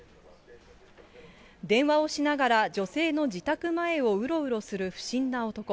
電話をしながら女性の自宅前をうろうろする不審な男。